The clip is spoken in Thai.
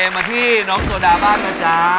มาที่น้องโซดาบ้างนะจ๊ะ